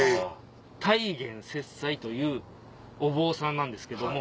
太原雪斎というお坊さんなんですけども。